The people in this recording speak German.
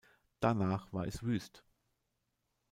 Danach war es wüst.